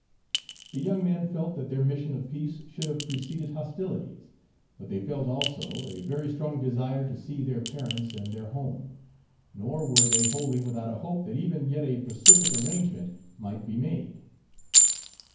The young men felt that their mission of peace should have preceded hostilities; but they felt, also, a very strong desire to see their parents and their home; nor were they wholly without a hope that even yet a pacific arrangement might be made.